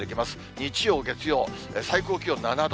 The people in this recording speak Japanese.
日曜、月曜、最高気温７度。